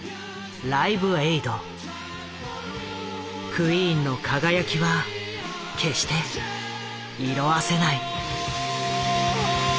クイーンの輝きは決して色あせない。